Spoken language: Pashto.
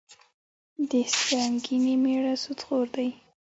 د سنګینې میړه سودخور دي.